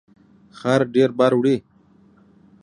خر ډیر بار وړي